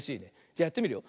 じゃやってみるよ。